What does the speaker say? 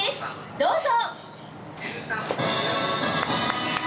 どうぞ。